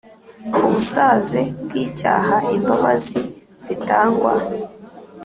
Ubusaze bw icyaha imbabazi zitangwa